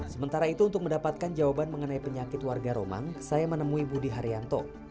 sementara itu untuk mendapatkan jawaban mengenai penyakit warga romang saya menemui budi haryanto